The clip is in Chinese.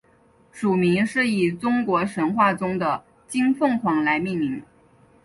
属名是以中国神话中的金凤凰来命名。